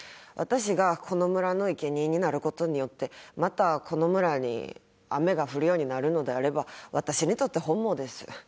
私がこの村の生贄になる事によってまたこの村に雨が降るようになるのであれば私にとって本望です。